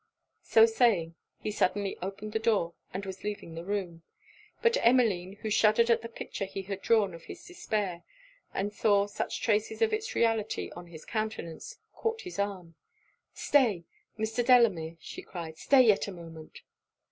So saying, he suddenly opened the door, and was leaving the room. But Emmeline, who shuddered at the picture he had drawn of his despair, and saw such traces of its reality on his countenance, caught his arm. 'Stay! Mr. Delamere,' cried she, 'stay yet a moment!'